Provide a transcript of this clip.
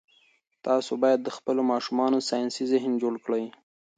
تاسي باید د خپلو ماشومانو ساینسي ذهن جوړ کړئ.